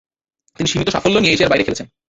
তিনি সীমিত সাফল্য নিয়ে এশিয়ার বাইরে খেলেছেন।